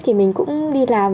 thì mình cũng đi làm